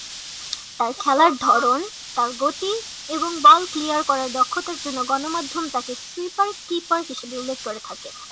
তার খেলার ধরন, তার গতি এবং বল ক্লিয়ার করার দক্ষতার জন্য গণমাধ্যম তাকে "সুইপার-কিপার" হিসেবে উল্লেখ করে থাকে।